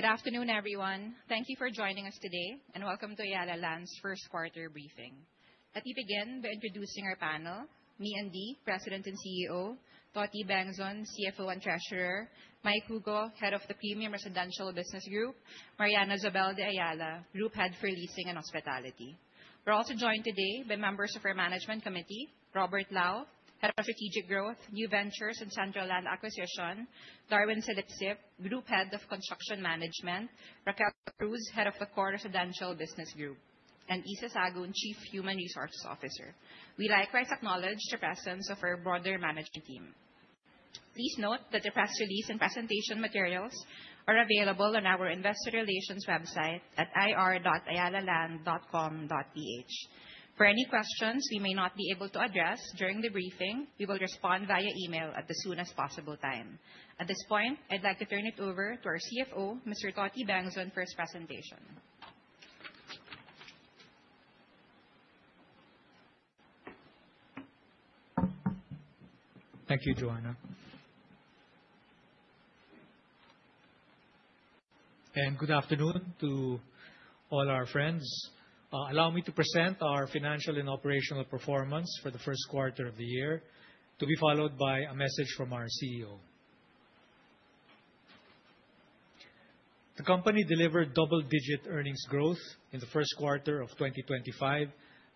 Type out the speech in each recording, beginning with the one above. Good afternoon, everyone. Thank you for joining us today, welcome to Ayala Land's first quarter briefing. Let me begin by introducing our panel: me, Andi, President and CEO; Toti Bangson, CFO and Treasurer; Mike Hugo, Head of the Premium Residential Business Group; Mariana Zobel de Ayala, Group Head for Leasing and Hospitality. We are also joined today by members of our management committee: Robert Lao, Head of Strategic Growth, New Ventures, and Central Land Acquisition; Darwin Salipsip, Group Head of Construction Management; Raquel Cruz, Head of the Core Residential Business Group, and Issa Sagun, Chief Human Resources Officer. We likewise acknowledge the presence of our broader management team. Please note that the press release and presentation materials are available on our investor relations website at ir.ayalaland.com.ph. For any questions we may not be able to address during the briefing, we will respond via email at the soonest possible time. At this point, I would like to turn it over to our CFO, Mr. Toti Bangson, for his presentation. Thank you, Joanna. Good afternoon to all our friends. Allow me to present our financial and operational performance for the first quarter of the year, to be followed by a message from our CEO. The company delivered double-digit earnings growth in the first quarter of 2025,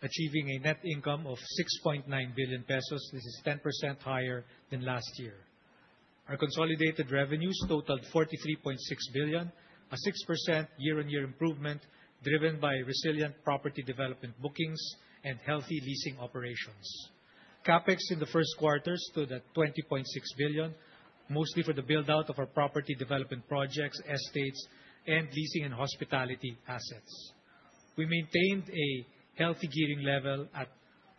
achieving a net income of 6.9 billion pesos. This is 10% higher than last year. Our consolidated revenues totaled 43.6 billion, a 6% year-on-year improvement driven by resilient property development bookings and healthy leasing operations. CapEx in the first quarter stood at 20.6 billion, mostly for the build-out of our property development projects, estates, and leasing and hospitality assets. We maintained a healthy gearing level at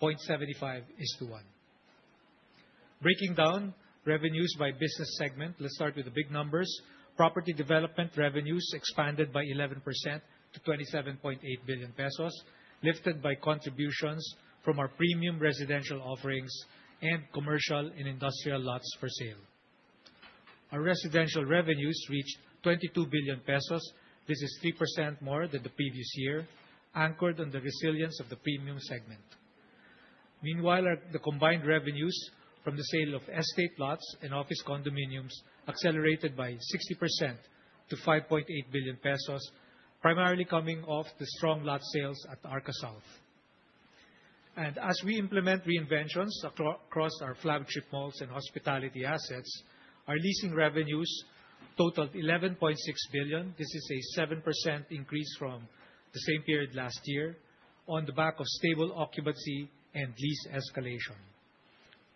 0.75:1. Breaking down revenues by business segment, let's start with the big numbers. Property development revenues expanded by 11% to 27.8 billion pesos, lifted by contributions from our premium residential offerings and commercial and industrial lots for sale. Our residential revenues reached 22 billion pesos. This is 3% more than the previous year, anchored on the resilience of the premium segment. Meanwhile, the combined revenues from the sale of estate lots and office condominiums accelerated by 60% to 5.8 billion pesos, primarily coming off the strong lot sales at Arca South. As we implement reinventions across our flagship malls and hospitality assets, our leasing revenues totaled 11.6 billion. This is a 7% increase from the same period last year on the back of stable occupancy and lease escalation.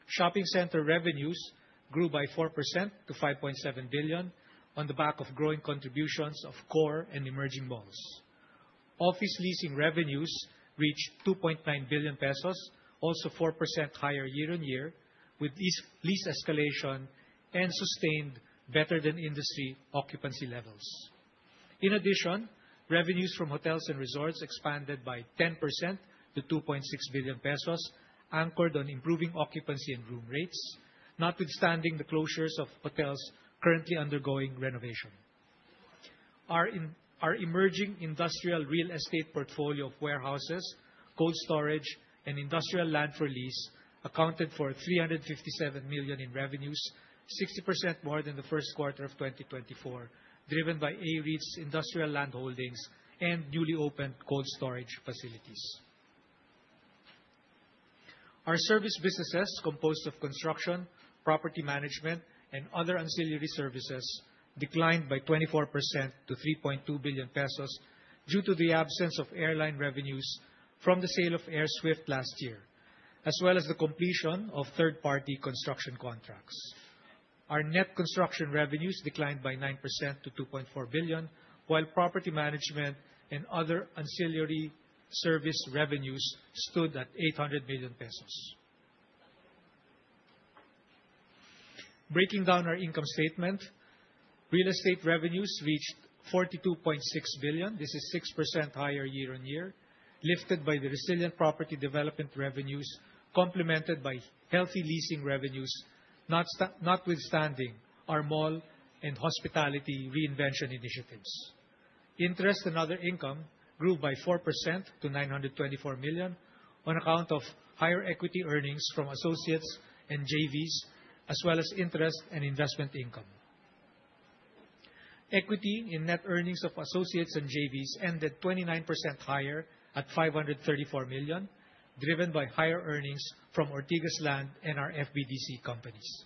Shopping center revenues grew by 4% to 5.7 billion on the back of growing contributions of core and emerging malls. Office leasing revenues reached 2.9 billion pesos, also 4% higher year-on-year with lease escalation and sustained better-than-industry occupancy levels. In addition, revenues from hotels and resorts expanded by 10% to 2.6 billion pesos, anchored on improving occupancy and room rates notwithstanding the closures of hotels currently undergoing renovation. Our emerging industrial real estate portfolio of warehouses, cold storage, and industrial land for lease accounted for 357 million in revenues, 60% more than the first quarter of 2024, driven by AREIT's industrial landholdings and newly opened cold storage facilities. Our service businesses, composed of construction, property management, and other ancillary services, declined by 24% to 3.2 billion pesos due to the absence of airline revenues from the sale of AirSWIFT last year, as well as the completion of third-party construction contracts. Our net construction revenues declined by 9% to 2.4 billion, while property management and other ancillary service revenues stood at 800 million pesos. Breaking down our income statement, real estate revenues reached 42.6 billion. This is 6% higher year-on-year, lifted by the resilient property development revenues complemented by healthy leasing revenues notwithstanding our mall and hospitality reinvention initiatives. Interest and other income grew by 4% to 924 million on account of higher equity earnings from associates and JVs, as well as interest and investment income. Equity in net earnings of associates and JVs ended 29% higher at 534 million, driven by higher earnings from Ortigas Land and our FBTC companies.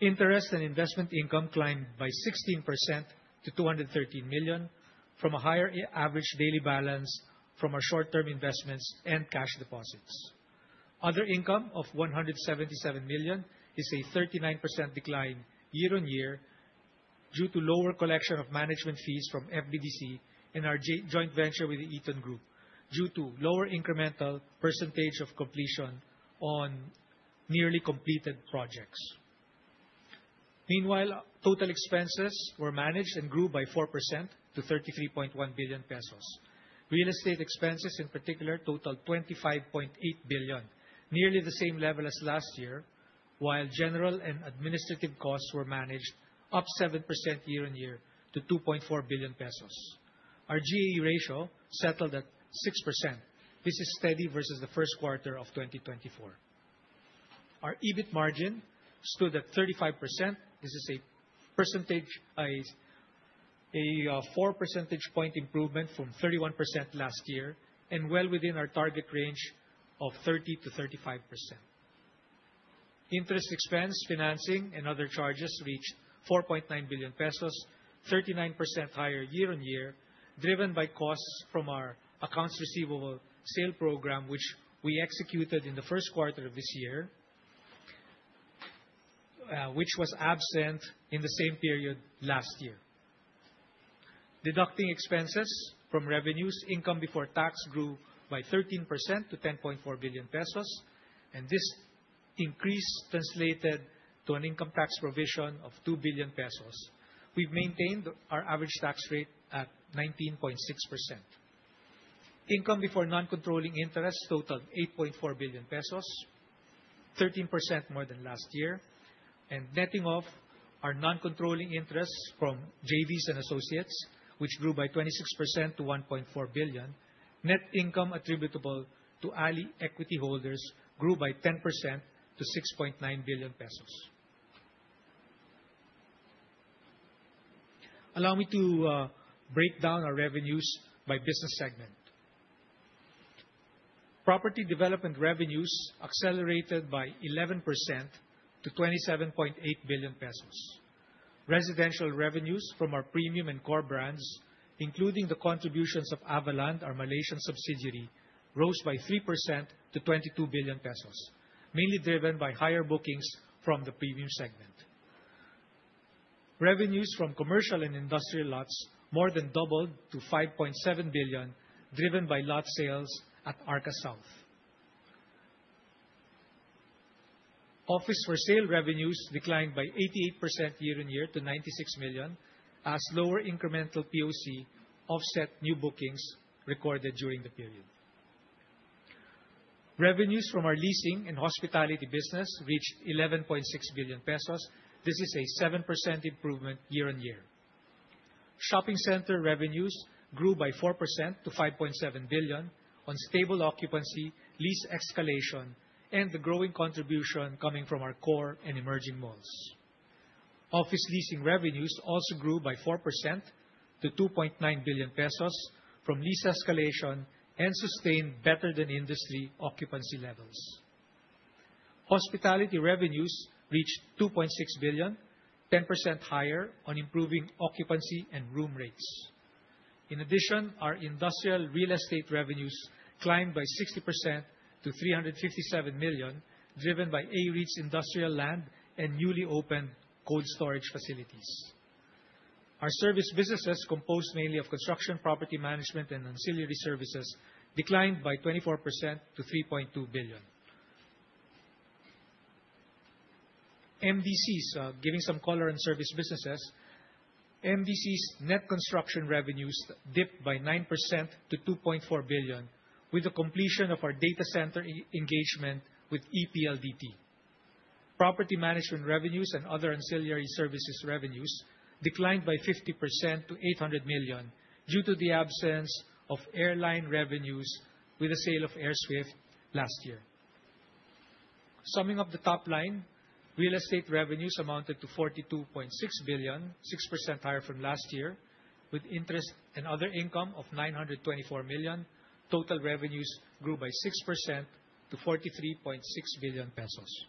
Interest and investment income climbed by 16% to 213 million from a higher average daily balance from our short-term investments and cash deposits. Other income of 177 million is a 39% decline year-on-year due to lower collection of management fees from FBTC and our joint venture with the Eton Group due to lower incremental percentage of completion on nearly completed projects. Meanwhile, total expenses were managed and grew by 4% to 33.1 billion pesos. Real estate expenses, in particular, totaled 25.8 billion, nearly the same level as last year, while general and administrative costs were managed up 7% year-on-year to 2.4 billion pesos. Our GA ratio settled at 6%. This is steady versus the first quarter of 2024. Our EBIT margin stood at 35%. This is a four percentage point improvement from 31% last year and well within our target range of 30%-35%. Interest expense financing and other charges reached 4.9 billion pesos, 39% higher year-on-year, driven by costs from our accounts receivable sale program, which we executed in the first quarter of this year, which was absent in the same period last year. Deducting expenses from revenues, income before tax grew by 13% to 10.4 billion pesos, and this increase translated to an income tax provision of 2 billion pesos. We've maintained our average tax rate at 19.6%. Income before non-controlling interests totaled 8.4 billion pesos, 13% more than last year, and netting off our non-controlling interests from JVs and associates, which grew by 26% to 1.4 billion, net income attributable to ALI equity holders grew by 10% to 6.9 billion pesos. Allow me to break down our revenues by business segment. Property development revenues accelerated by 11% to 27.8 billion pesos. Residential revenues from our premium and core brands, including the contributions of Avaland, our Malaysian subsidiary, rose by 3% to 22 billion pesos, mainly driven by higher bookings from the premium segment. Revenues from commercial and industrial lots more than doubled to 5.7 billion, driven by lot sales at Arca South. Office for sale revenues declined by 88% year-on-year to 96 million, as lower incremental POC offset new bookings recorded during the period. Revenues from our leasing and hospitality business reached 11.6 billion pesos. This is a 7% improvement year-on-year. Shopping center revenues grew by 4% to 5.7 billion on stable occupancy, lease escalation, and the growing contribution coming from our core and emerging malls. Office leasing revenues also grew by 4% to 2.9 billion pesos from lease escalation and sustained better-than-industry occupancy levels. Hospitality revenues reached 2.6 billion, 10% higher on improving occupancy and room rates. In addition, our industrial real estate revenues climbed by 60% to 357 million, driven by AREIT's industrial land and newly opened cold storage facilities. Our service businesses, composed mainly of construction, property management, and ancillary services, declined by 24% to 3.2 billion. MDC is giving some color on service businesses. MDC's net construction revenues dipped by 9% to 2.4 billion, with the completion of our data center engagement with ePLDT. Property management revenues and other ancillary services revenues declined by 50% to 800 million due to the absence of airline revenues with the sale of AirSWIFT last year. Summing up the top line, real estate revenues amounted to 42.6 billion, 6% higher from last year, with interest and other income of 924 million. Total revenues grew by 6% to 43.6 billion pesos.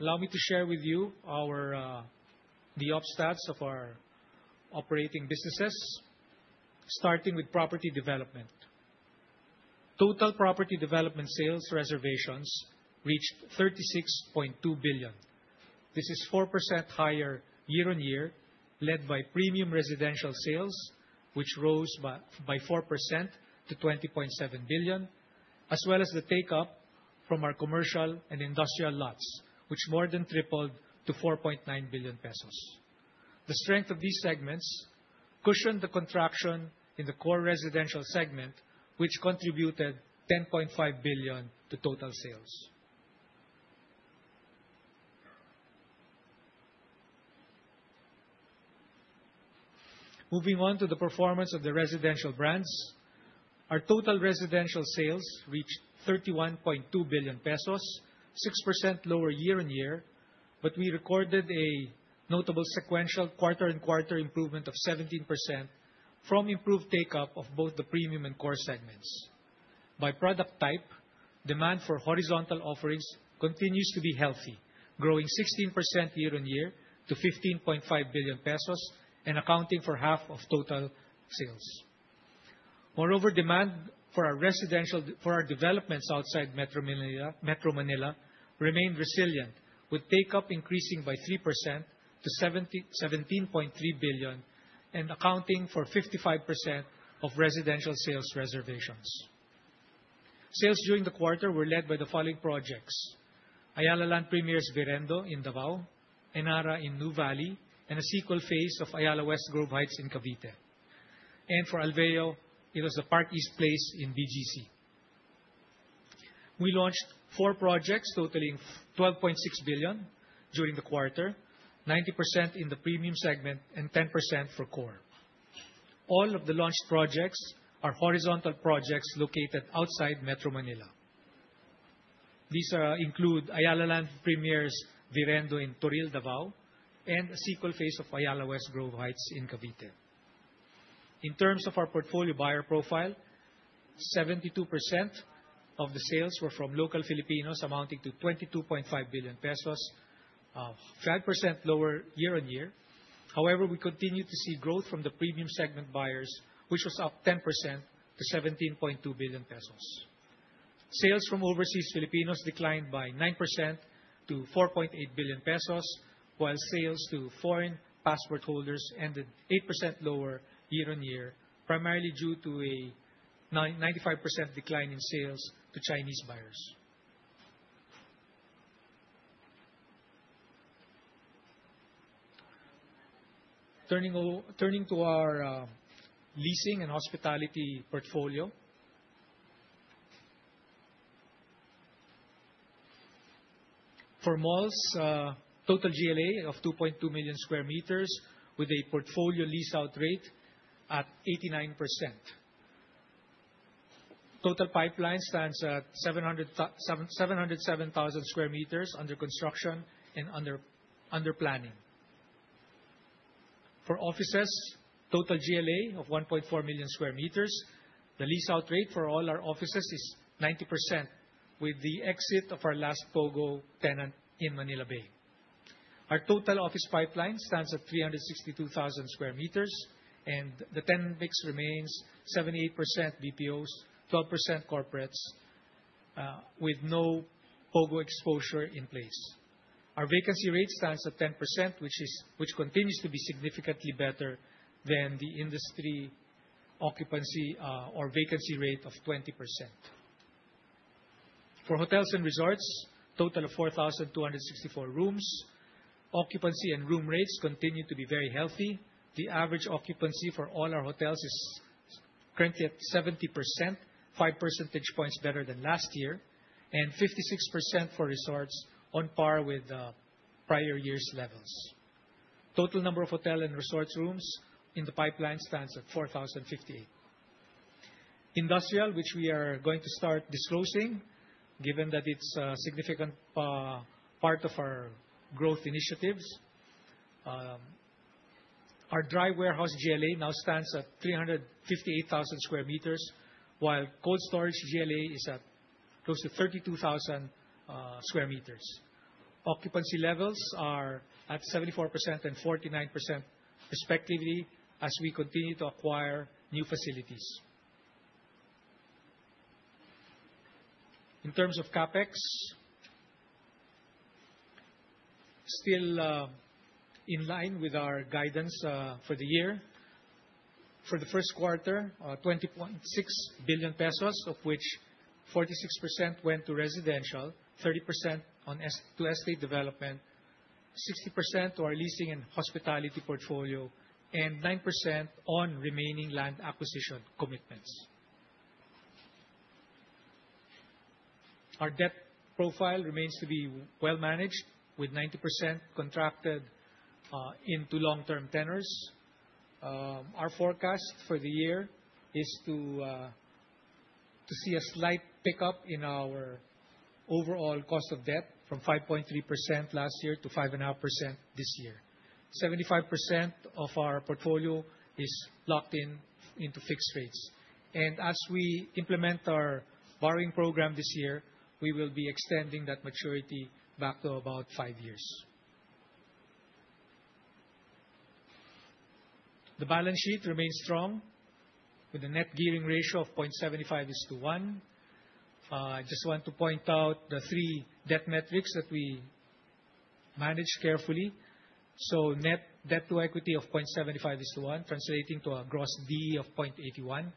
Allow me to share with you the op stats of our operating businesses, starting with property development. Total property development sales reservations reached 36.2 billion. This is 4% higher year-on-year, led by premium residential sales, which rose by 4% to 20.7 billion, as well as the take-up from our commercial and industrial lots, which more than tripled to 4.9 billion pesos. The strength of these segments cushioned the contraction in the core residential segment, which contributed 10.5 billion to total sales. Moving on to the performance of the residential brands, our total residential sales reached 31.2 billion pesos, 6% lower year-on-year, but we recorded a notable sequential quarter-on-quarter improvement of 17% from improved take-up of both the premium and core segments. By product type, demand for horizontal offerings continues to be healthy, growing 16% year-on-year to 15.5 billion pesos and accounting for half of total sales. Moreover, demand for our developments outside Metro Manila remained resilient, with take-up increasing by 3% to 17.3 billion and accounting for 55% of residential sales reservations. Sales during the quarter were led by the following projects: Ayala Land Premier's Virendo in Davao, Enara in Nuvali, and a sequel phase of Ayala Westgrove Heights in Cavite. For Alveo, it was the Park East Place in BGC. We launched four projects totaling 12.6 billion during the quarter, 90% in the premium segment and 10% for core. All of the launched projects are horizontal projects located outside Metro Manila. These include Ayala Land Premier's Virendo in Toril, Davao, and a sequel phase of Ayala Westgrove Heights in Cavite. In terms of our portfolio buyer profile, 72% of the sales were from local Filipinos amounting to 22.5 billion pesos, 5% lower year-over-year. We continue to see growth from the premium segment buyers, which was up 10% to 17.2 billion pesos. Sales from overseas Filipinos declined by 9% to 4.8 billion pesos, while sales to foreign passport holders ended 8% lower year-over-year, primarily due to a 95% decline in sales to Chinese buyers. Turning to our leasing and hospitality portfolio. For malls, total GLA of 2.2 million sq m with a portfolio lease out rate at 89%. Total pipeline stands at 707,000 sq m under construction and under planning. For offices, total GLA of 1.4 million sq m. The lease out rate for all our offices is 90% with the exit of our last POGO tenant in Manila Bay. Our total office pipeline stands at 362,000 sq m. The tenant mix remains 78% BPOs, 12% corporates, with no POGO exposure in place. Our vacancy rate stands at 10%, which continues to be significantly better than the industry occupancy or vacancy rate of 20%. For hotels and resorts, total of 4,264 rooms. Occupancy and room rates continue to be very healthy. The average occupancy for all our hotels is currently at 70%, five percentage points better than last year, and 56% for resorts on par with prior year's levels. Total number of hotel and resorts rooms in the pipeline stands at 4,058. Industrial, which we are going to start disclosing, given that it's a significant part of our growth initiatives. Our dry warehouse GLA now stands at 358,000 sq m, while cold storage GLA is at close to 32,000 sq m. Occupancy levels are at 74% and 49% respectively as we continue to acquire new facilities. In terms of CapEx, still in line with our guidance for the year. For the first quarter, 20.6 billion pesos, of which 46% went to residential, 30% to estate development, 60% to our leasing and hospitality portfolio, and 9% on remaining land acquisition commitments. Our debt profile remains to be well managed with 90% contracted into long-term tenors. Our forecast for the year is to see a slight pickup in our overall cost of debt from 5.3% last year to 5.5% this year. 75% of our portfolio is locked in into fixed rates. As we implement our borrowing program this year, we will be extending that maturity back to about five years. The balance sheet remains strong with a net gearing ratio of 0.75:1. I just want to point out the three debt metrics that we manage carefully. Net debt to equity of 0.75:1, translating to a gross D of 0.81.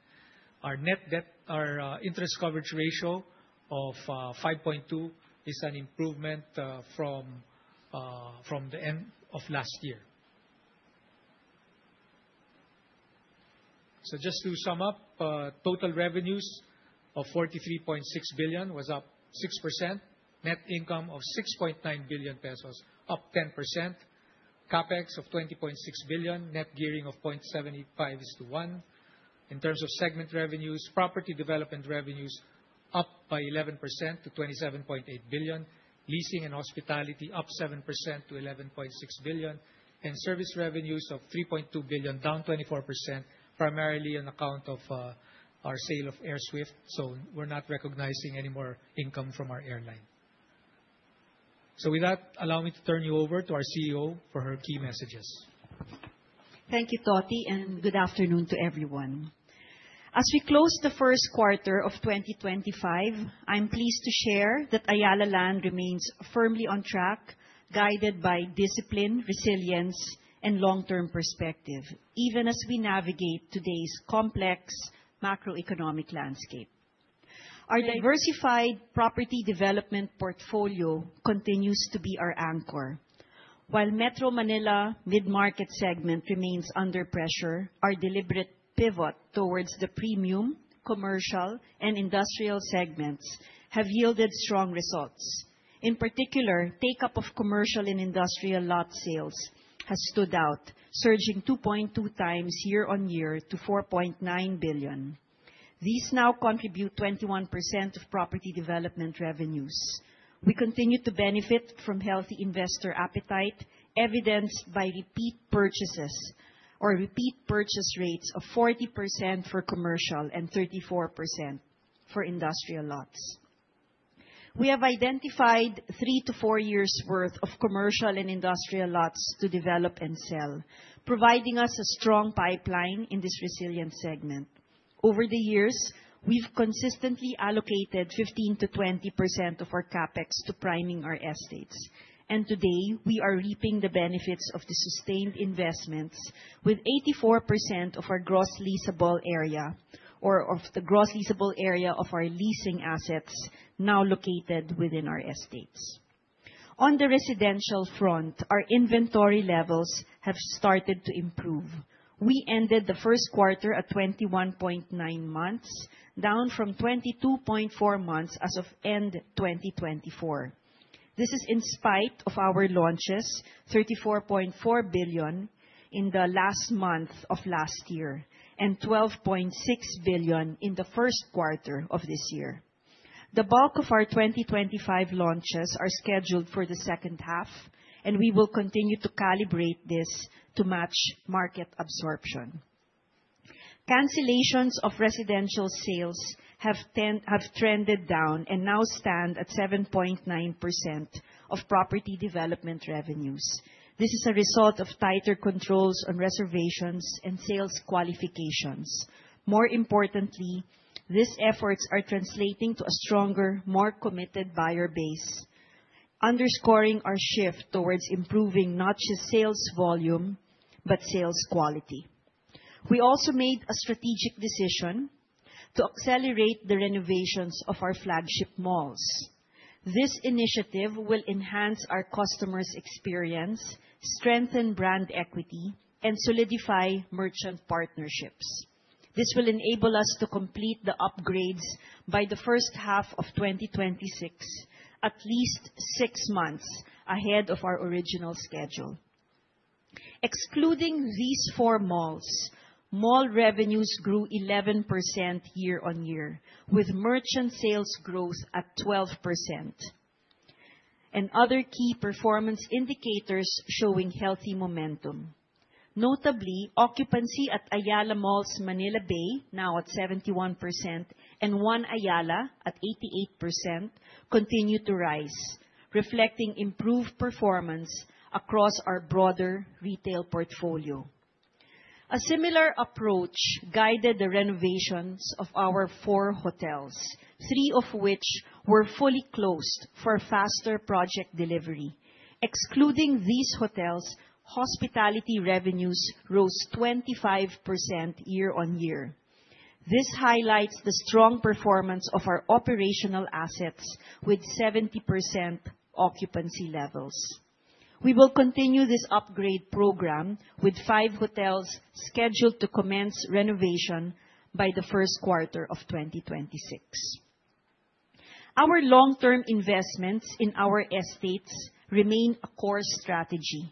Our interest coverage ratio of 5.2 is an improvement from the end of last year. Just to sum up, total revenues of 43.6 billion was up 6%, net income of 6.9 billion pesos, up 10%, CapEx of 20.6 billion, net gearing of 0.75:1. In terms of segment revenues, property development revenues up by 11% to 27.8 billion. Leasing and hospitality up 7% to 11.6 billion. Service revenues of 3.2 billion, down 24%, primarily on account of our sale of AirSWIFT. We're not recognizing any more income from our airline. With that, allow me to turn you over to our CEO for her key messages. Thank you, Toti, and good afternoon to everyone. As we close the first quarter of 2025, I'm pleased to share that Ayala Land remains firmly on track, guided by discipline, resilience, and long-term perspective, even as we navigate today's complex macroeconomic landscape. Our diversified property development portfolio continues to be our anchor. While Metro Manila mid-market segment remains under pressure, our deliberate pivot towards the premium, commercial, and industrial segments have yielded strong results. In particular, take-up of commercial and industrial lot sales has stood out, surging 2.2 times year-on-year to 4.9 billion. These now contribute 21% of property development revenues. We continue to benefit from healthy investor appetite, evidenced by repeat purchases or repeat purchase rates of 40% for commercial and 34% for industrial lots. We have identified three to four years' worth of commercial and industrial lots to develop and sell, providing us a strong pipeline in this resilient segment. Over the years, we've consistently allocated 15%-20% of our CapEx to priming our estates. Today, we are reaping the benefits of the sustained investments with 84% of our gross leasable area, or of the gross leasable area of our leasing assets, now located within our estates. On the residential front, our inventory levels have started to improve. We ended the first quarter at 21.9 months, down from 22.4 months as of end 2024. This is in spite of our launches, 34.4 billion in the last month of last year and 12.6 billion in the first quarter of this year. The bulk of our 2025 launches are scheduled for the second half. We will continue to calibrate this to match market absorption. Cancellations of residential sales have trended down and now stand at 7.9% of property development revenues. This is a result of tighter controls on reservations and sales qualifications. More importantly, these efforts are translating to a stronger, more committed buyer base, underscoring our shift towards improving not just sales volume, but sales quality. We also made a strategic decision to accelerate the renovations of our flagship malls. This initiative will enhance our customers' experience, strengthen brand equity, and solidify merchant partnerships. This will enable us to complete the upgrades by the first half of 2026, at least six months ahead of our original schedule. Excluding these four malls, mall revenues grew 11% year-on-year, with merchant sales growth at 12%, and other key performance indicators showing healthy momentum. Notably, occupancy at Ayala Malls Manila Bay, now at 71%, and One Ayala, at 88%, continue to rise, reflecting improved performance across our broader retail portfolio. A similar approach guided the renovations of our four hotels, three of which were fully closed for faster project delivery. Excluding these hotels, hospitality revenues rose 25% year-on-year. This highlights the strong performance of our operational assets with 70% occupancy levels. We will continue this upgrade program with five hotels scheduled to commence renovation by the first quarter of 2026. Our long-term investments in our estates remain a core strategy.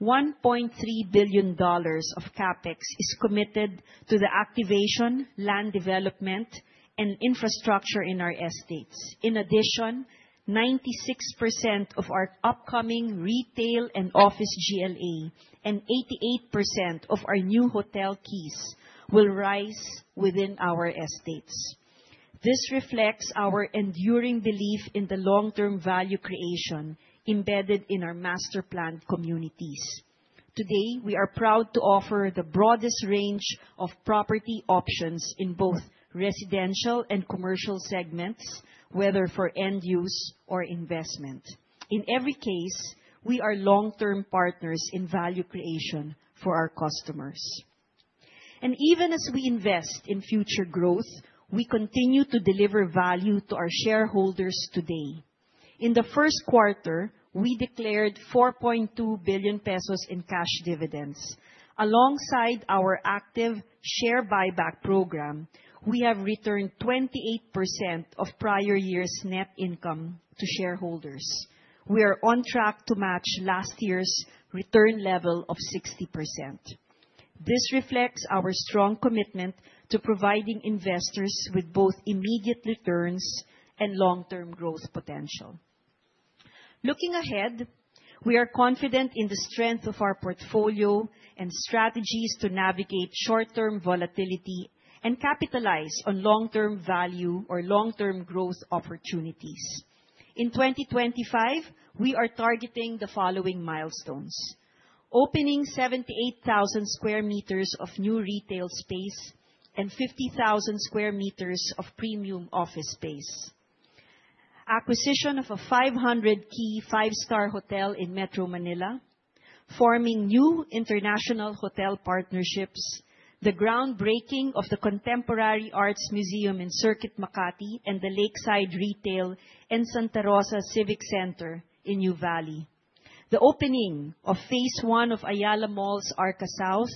PHP 1.3 billion of CapEx is committed to the activation, land development, and infrastructure in our estates. In addition, 96% of our upcoming retail and office GLA and 88% of our new hotel keys will rise within our estates. This reflects our enduring belief in the long-term value creation embedded in our master-planned communities. Today, we are proud to offer the broadest range of property options in both residential and commercial segments, whether for end use or investment. Even as we invest in future growth, we continue to deliver value to our shareholders today. In the first quarter, we declared 4.2 billion pesos in cash dividends. Alongside our active share buyback program, we have returned 28% of prior year's net income to shareholders. We are on track to match last year's return level of 60%. This reflects our strong commitment to providing investors with both immediate returns and long-term growth potential. Looking ahead, we are confident in the strength of our portfolio and strategies to navigate short-term volatility and capitalize on long-term growth opportunities. In 2025, we are targeting the following milestones: opening 78,000 sq m of new retail space and 50,000 sq m of premium office space, acquisition of a 500-key five-star hotel in Metro Manila, forming new international hotel partnerships, the groundbreaking of the Contemporary Art Center in Circuit Makati and the Lakeside Retail and Santa Rosa Civic Complex in Nuvali. The opening of phase one of Ayala Malls Arca South,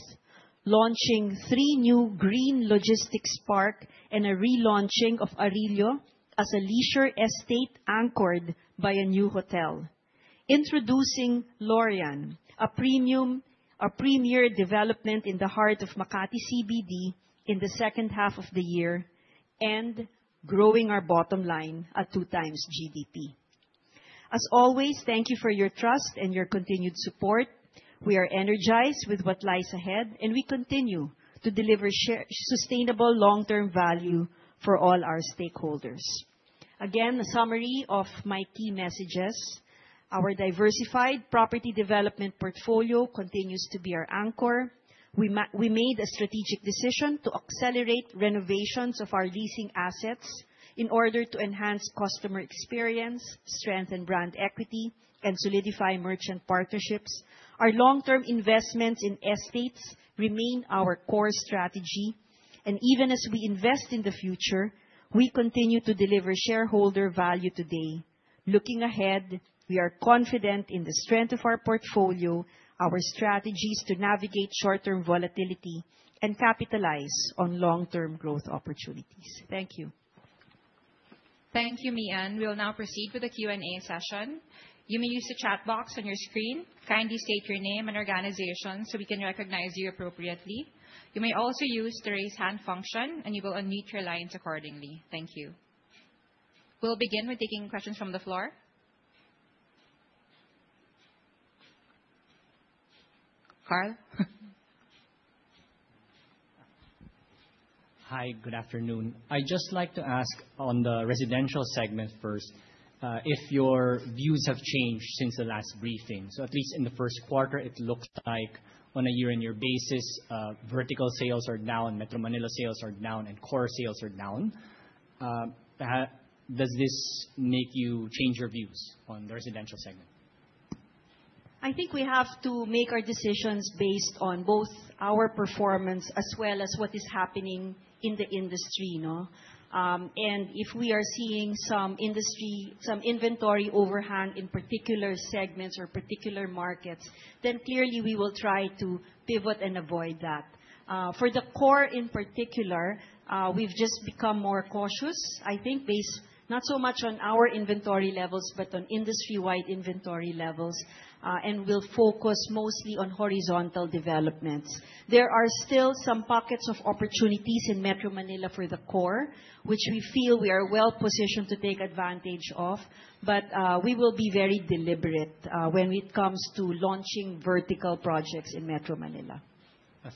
launching three new green logistics park and a relaunching of Arilio as a leisure estate anchored by a new hotel. Introducing Lorian, a premier development in the heart of Makati CBD in the second half of the year, and growing our bottom line at 2 times GDP. As always, thank you for your trust and your continued support. We are energized with what lies ahead. We continue to deliver sustainable long-term value for all our stakeholders. Again, a summary of my key messages. Our diversified property development portfolio continues to be our anchor. We made a strategic decision to accelerate renovations of our leasing assets in order to enhance customer experience, strengthen brand equity, and solidify merchant partnerships. Even as we invest in the future, we continue to deliver shareholder value today. Looking ahead, we are confident in the strength of our portfolio, our strategies to navigate short-term volatility, and capitalize on long-term growth opportunities. Thank you. Thank you, Meean. We'll now proceed with the Q&A session. You may use the chat box on your screen. Kindly state your name and organization so we can recognize you appropriately. You may also use the raise hand function, and you will unmute your lines accordingly. Thank you. We'll begin with taking questions from the floor. Carl? Hi, good afternoon. I'd just like to ask on the residential segment first, if your views have changed since the last briefing. At least in the first quarter, it looks like on a year-over-year basis, vertical sales are down, Metro Manila sales are down, and core sales are down. Does this make you change your views on the residential segment? I think we have to make our decisions based on both our performance as well as what is happening in the industry. If we are seeing some inventory overhang in particular segments or particular markets, then clearly we will try to pivot and avoid that. For the core, in particular, we've just become more cautious, I think based not so much on our inventory levels, but on industry-wide inventory levels. We'll focus mostly on horizontal developments. There are still some pockets of opportunities in Metro Manila for the core, which we feel we are well positioned to take advantage of. We will be very deliberate when it comes to launching vertical projects in Metro Manila.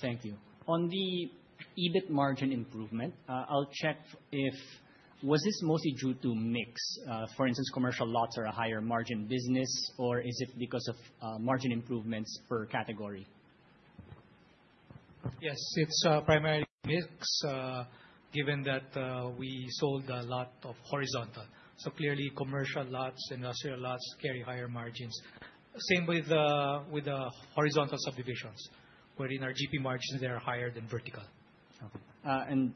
Thank you. On the EBIT margin improvement, I'll check if was this mostly due to mix, for instance, commercial lots or a higher margin business, or is it because of margin improvements per category? Yes, it's primarily mix, given that we sold a lot of horizontal. Clearly commercial lots and industrial lots carry higher margins. Same with the horizontal subdivisions, wherein our GP margins are higher than vertical. Okay.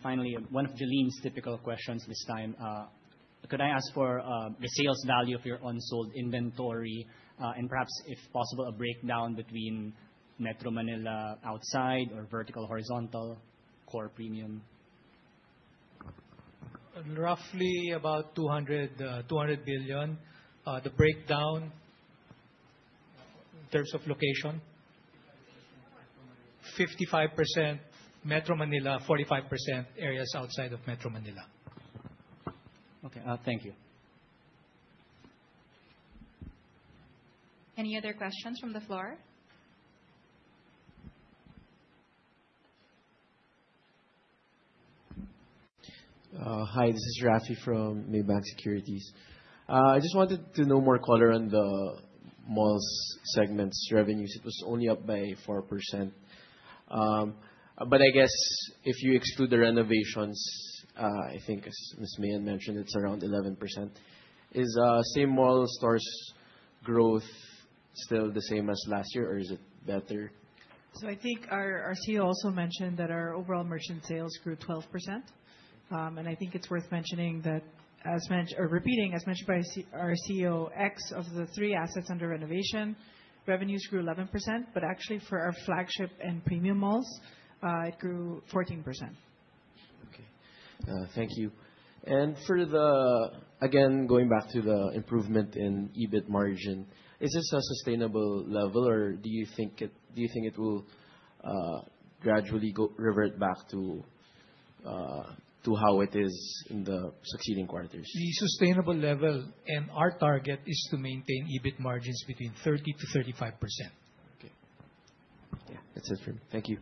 Finally, one of Jelline's typical questions this time. Could I ask for the sales value of your unsold inventory? Perhaps, if possible, a breakdown between Metro Manila, outside or vertical, horizontal, core premium. Roughly about 200 billion. The breakdown in terms of location, 55% Metro Manila, 45% areas outside of Metro Manila. Okay. Thank you. Any other questions from the floor? Hi, this is Raffy from Maybank Securities. I just wanted to know more color on the malls segments revenues. It was only up by 4%. I guess if you exclude the renovations, I think as Ms. Meean mentioned, it is around 11%. Is same-mall stores growth still the same as last year, or is it better? I think our CEO also mentioned that our overall merchant sales grew 12%. I think it's worth repeating, as mentioned by our CEO, ex of the three assets under renovation, revenues grew 11%, actually for our flagship and premium malls, it grew 14%. Okay. Thank you. Again, going back to the improvement in EBIT margin, is this a sustainable level, or do you think it will gradually revert back to how it is in the succeeding quarters? The sustainable level and our target is to maintain EBIT margins between 30%-35%. Okay. That's it for me. Thank you.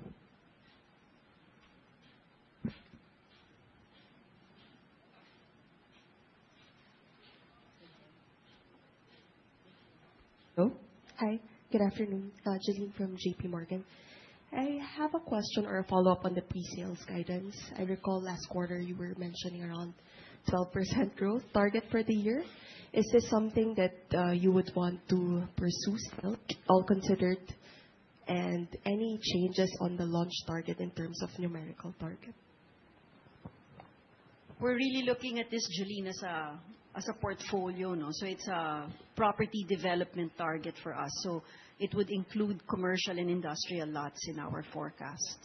Hello. Hi, good afternoon. Jelline from J.P. Morgan. I have a question or a follow-up on the pre-sales guidance. I recall last quarter you were mentioning around 12% growth target for the year. Is this something that you would want to pursue still, all considered? Any changes on the launch target in terms of numerical target? We're really looking at this, Julene, as a portfolio. It's a property development target for us. It would include commercial and industrial lots in our forecasts.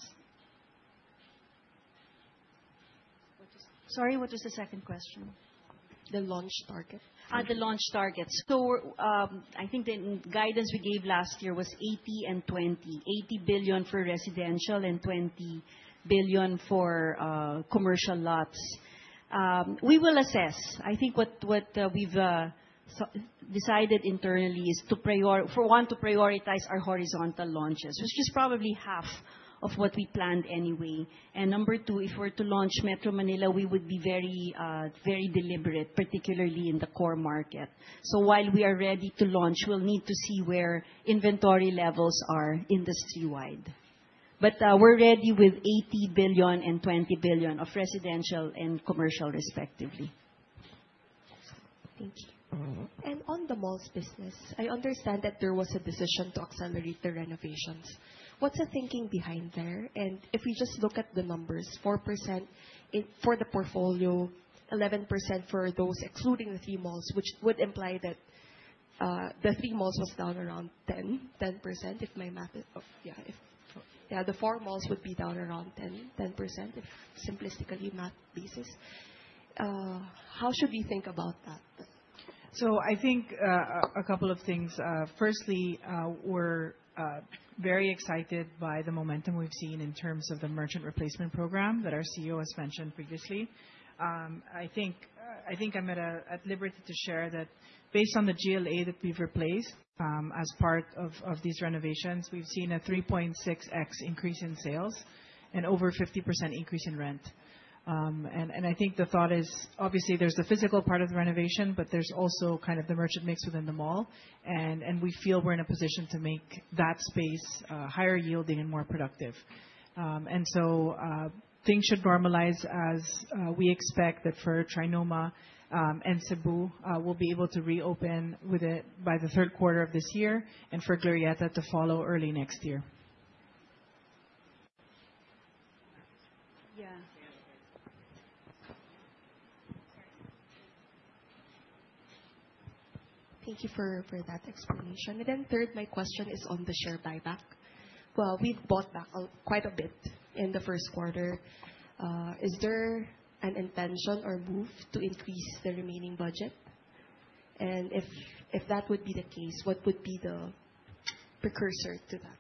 Sorry, what was the second question? The launch target. I think the guidance we gave last year was 80 billion and 20 billion. 80 billion for residential and 20 billion for commercial lots. We will assess. What we've decided internally is, for one, to prioritize our horizontal launches, which is probably half of what we planned anyway. Number 2, if we're to launch Metro Manila, we would be very deliberate, particularly in the core market. While we are ready to launch, we'll need to see where inventory levels are industry-wide. We're ready with 80 billion and 20 billion of residential and commercial, respectively. Thank you. On the malls business, I understand that there was a decision to accelerate the renovations. What's the thinking behind there? If we just look at the numbers, 4% for the portfolio, 11% for those excluding the 3 malls, which would imply that the 3 malls was down around 10% if my math is. Yeah. The 4 malls would be down around 10%, simplistically math basis. How should we think about that? I think a couple of things. Firstly, we're very excited by the momentum we've seen in terms of the merchant replacement program that our CEO has mentioned previously. I'm at liberty to share that based on the GLA that we've replaced as part of these renovations, we've seen a 3.6x increase in sales and over 50% increase in rent. I think the thought is obviously there's the physical part of the renovation, but there's also kind of the merchant mix within the mall, and we feel we're in a position to make that space higher yielding and more productive. Things should normalize as we expect that for TriNoma and Cebu, we'll be able to reopen with it by the third quarter of this year and for Glorietta to follow early next year. Yeah. Thank you for that explanation. Then third, my question is on the share buyback. We've bought back quite a bit in the first quarter. Is there an intention or move to increase the remaining budget? If that would be the case, what would be the precursor to that?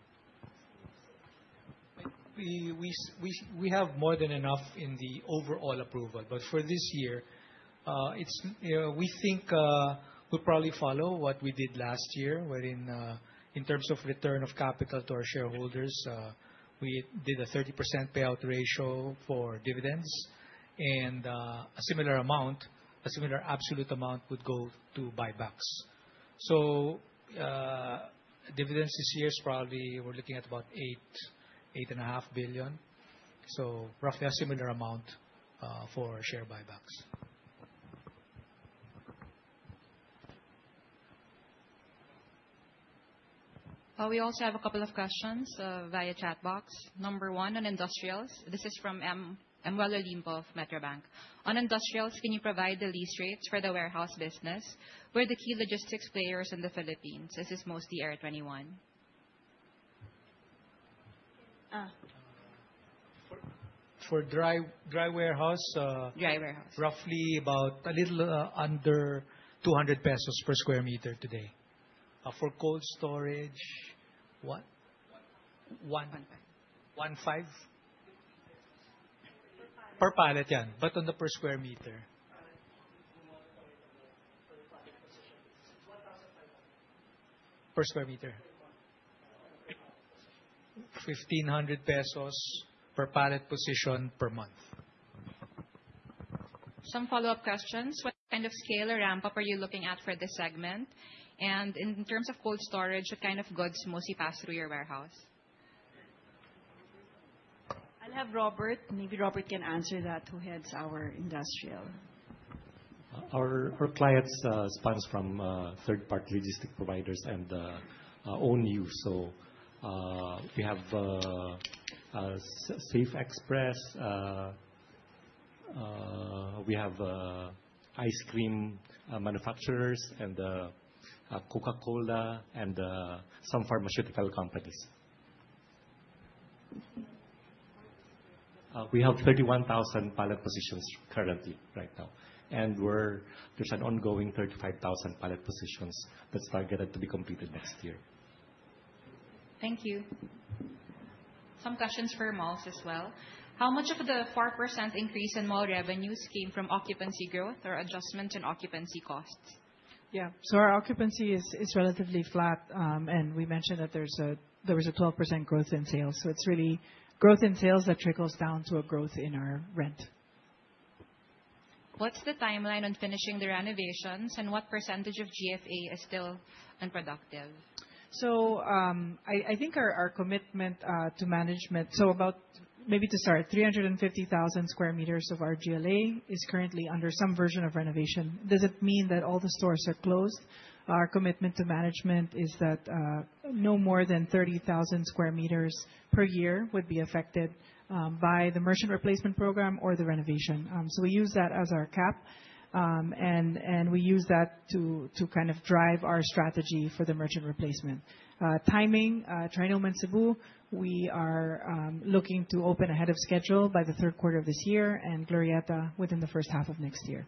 We have more than enough in the overall approval. For this year, we think we'll probably follow what we did last year, wherein in terms of return of capital to our shareholders we did a 30% payout ratio for dividends and a similar absolute amount would go to buybacks. Dividends this year is probably we're looking at about 8 billion-8.5 billion. Roughly a similar amount for share buybacks. We also have a couple of questions via chat box. Number one on industrials. This is from Emuel Olimpo of Metrobank. On industrials, can you provide the lease rates for the warehouse business? Who are the key logistics players in the Philippines? Is this mostly AIR21? For dry warehouse. Dry warehouse. roughly about a little under 200 pesos per square meter today. For cold storage, what? 150? Per pallet, yeah. On the per square meter. Per square meter. 1,500 pesos per pallet position per month. Some follow-up questions. What kind of scale or ramp-up are you looking at for this segment? In terms of cold storage, what kind of goods mostly pass through your warehouse? I'll have Robert. Maybe Robert can answer that, who heads our industrial. Our clients spans from third party logistic providers and own-use. We have Safexpress, we have ice cream manufacturers and Coca-Cola and some pharmaceutical companies. We have 31,000 pallet positions currently right now, and there's an ongoing 35,000 pallet positions that's targeted to be completed next year. Thank you. Some questions for malls as well. How much of the 4% increase in mall revenues came from occupancy growth or adjustment in occupancy costs? Yeah. Our occupancy is relatively flat. We mentioned that there was a 12% growth in sales. It's really growth in sales that trickles down to a growth in our rent. What's the timeline on finishing the renovations, and what percentage of GFA is still unproductive? About maybe to start 350,000 sq m of our GLA is currently under some version of renovation. Does it mean that all the stores are closed? Our commitment to management is that no more than 30,000 sq m per year would be affected by the merchant replacement program or the renovation. We use that as our cap. We use that to kind of drive our strategy for the merchant replacement. Timing, Trinoma in Cebu, we are looking to open ahead of schedule by the third quarter of this year, and Glorietta within the first half of next year.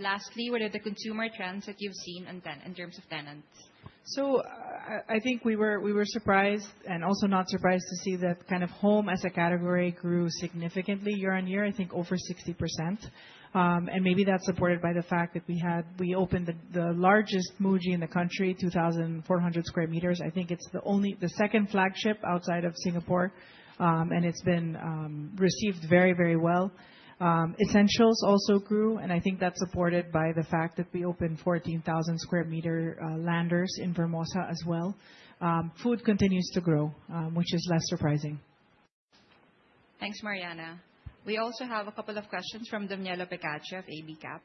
Lastly, what are the consumer trends that you've seen in terms of tenants? I think we were surprised and also not surprised to see that kind of home as a category grew significantly year-on-year, I think over 60%. Maybe that's supported by the fact that we opened the largest Muji in the country, 2,400 sq m. I think it's the second flagship outside of Singapore. It's been received very well. Essentials also grew, I think that's supported by the fact that we opened 14,000 sq m Landers in Vermosa as well. Food continues to grow, which is less surprising. Thanks, Mariana. We also have a couple of questions from Danielle Picache of AB Capital.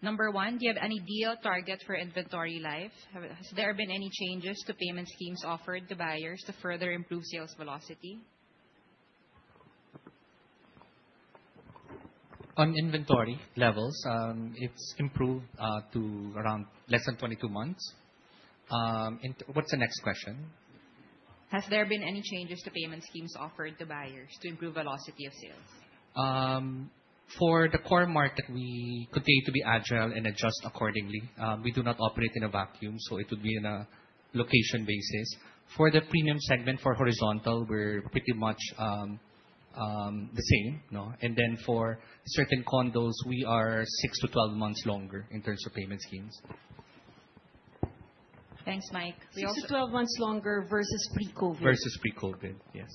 Number one, do you have any deal target for inventory life? Has there been any changes to payment schemes offered to buyers to further improve sales velocity? On inventory levels, it improved to around less than 22 months. What is the next question? Has there been any changes to payment schemes offered to buyers to improve velocity of sales? For the core market, we continue to be agile and adjust accordingly. We do not operate in a vacuum, it would be on a location basis. For the premium segment for horizontal, we are pretty much the same. For certain condos, we are 6 to 12 months longer in terms of payment schemes. Thanks, Mike. We also Six to 12 months longer versus pre-COVID. Versus pre-COVID. Yes.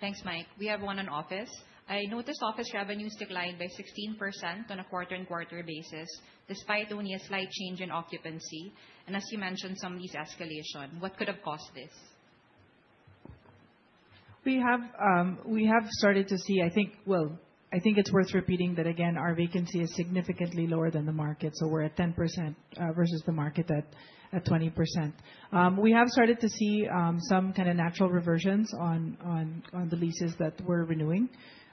Thanks, Mike. We have one on office. I noticed office revenues declined by 16% on a quarter-on-quarter basis, despite only a slight change in occupancy. As you mentioned, some lease escalation. What could have caused this? We have started to see, I think, well, I think it's worth repeating that again, our vacancy is significantly lower than the market. We're at 10% versus the market at 20%. We have started to see some kind of natural reversions on the leases that we're renewing.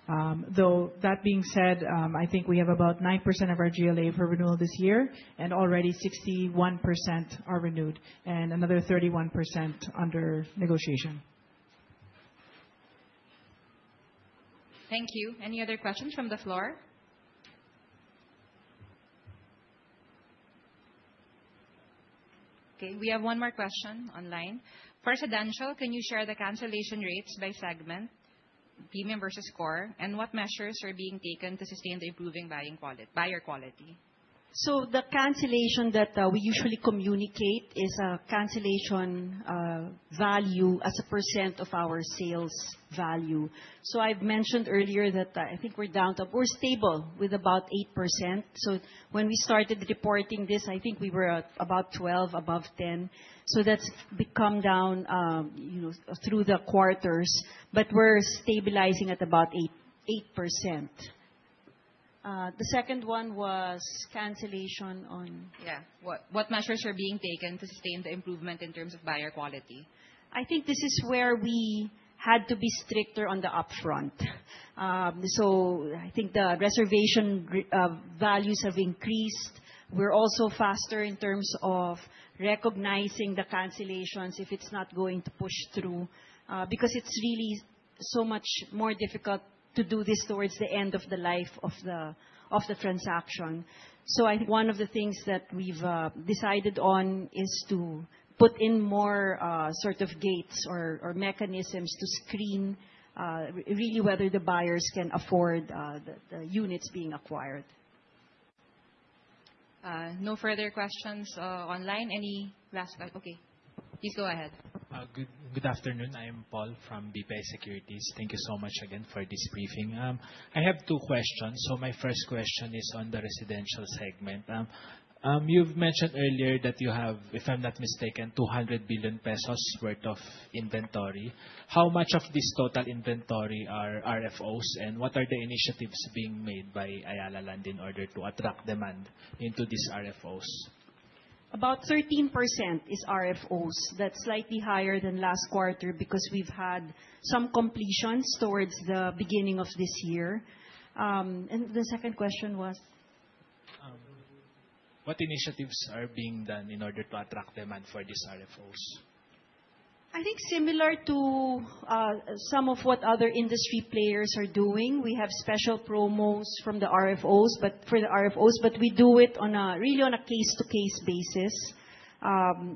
That being said, I think we have about 9% of our GLA for renewal this year, and already 61% are renewed and another 31% under negotiation. Thank you. Any other questions from the floor? Okay, we have one more question online. Presidential, can you share the cancellation rates by segment, premium versus core? What measures are being taken to sustain the improving buyer quality? The cancellation that we usually communicate is a cancellation value as a percent of our sales value. I've mentioned earlier that I think we're down to. We're stable with about 8%. When we started reporting this, I think we were at about 12 above 10. That's become down through the quarters, but we're stabilizing at about 8%. The second one was cancellation on? Yeah. What measures are being taken to sustain the improvement in terms of buyer quality? I think this is where we had to be stricter on the upfront. I think the reservation values have increased. We're also faster in terms of recognizing the cancellations if it's not going to push through because it's really so much more difficult to do this towards the end of the life of the transaction. I think one of the things that we've decided on is to put in more sort of gates or mechanisms to screen really whether the buyers can afford the units being acquired. No further questions online. Okay. Please go ahead. Good afternoon. I am Paul from AP Securities. Thank you so much again for this briefing. I have two questions. My first question is on the residential segment. You've mentioned earlier that you have, if I'm not mistaken, 200 billion pesos worth of inventory. How much of this total inventory are RFOs, and what are the initiatives being made by Ayala Land in order to attract demand into these RFOs? About 13% is RFOs. That's slightly higher than last quarter because we've had some completions towards the beginning of this year. The second question was? What initiatives are being done in order to attract demand for these RFOs? Similar to some of what other industry players are doing. We have special promos for the RFOs, but we do it really on a case-to-case basis.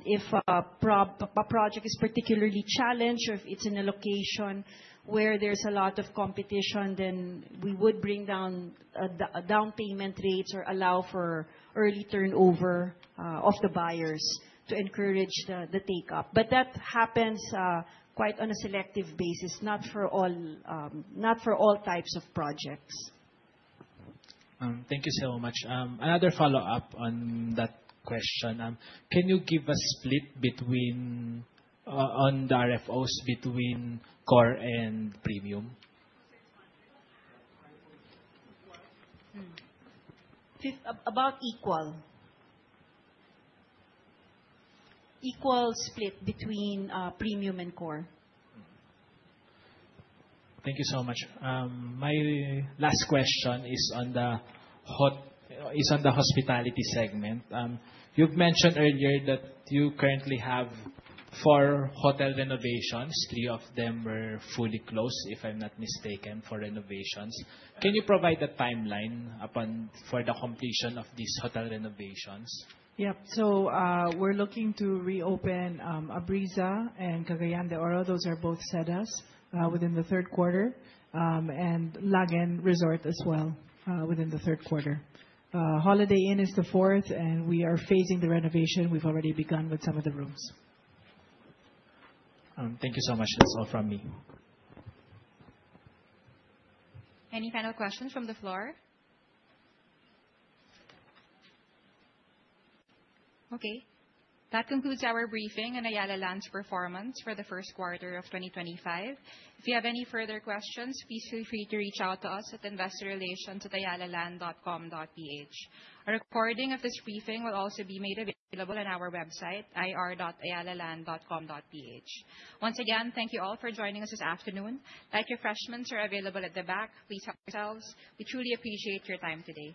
If a project is particularly challenged or if it's in a location where there's a lot of competition, then we would bring down down payment rates or allow for early turnover of the buyers to encourage the take-up. That happens quite on a selective basis, not for all types of projects. Thank you so much. Another follow-up on that question. Can you give a split on the RFOs between core and premium? About equal. Equal split between premium and core. Thank you so much. My last question is on the hospitality segment. You've mentioned earlier that you currently have four hotel renovations. Three of them were fully closed, if I'm not mistaken, for renovations. Can you provide a timeline for the completion of these hotel renovations? Yep. We're looking to reopen Abreeza and Cagayan de Oro, those are both Seda, within the third quarter, and Lagen Resort as well within the third quarter. Holiday Inn is the fourth, and we are phasing the renovation. We've already begun with some of the rooms. Thank you so much. That's all from me. Any final questions from the floor? Okay. That concludes our briefing on Ayala Land's performance for the first quarter of 2025. If you have any further questions, please feel free to reach out to us at investorrelations@ayalaland.com.ph. A recording of this briefing will also be made available on our website, ir.ayalaland.com.ph. Once again, thank you all for joining us this afternoon. Light refreshments are available at the back. Please help yourselves. We truly appreciate your time today.